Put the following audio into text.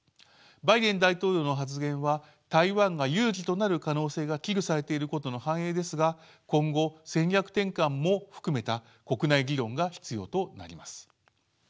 バイデン大統領の発言は台湾が有事となる可能性が危惧されていることの反映ですが今後戦略転換も含めた国内議論が必要となります。